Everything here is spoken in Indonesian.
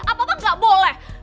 apa apa gak boleh